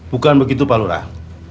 bukan begitu pak lurah